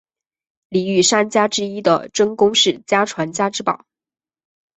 里御三家之一的真宫寺家传家之宝。